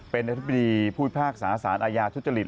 เป็นอธิบดีผู้พลาดศาสานอาญาทุศลิษฐ์